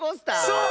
そう！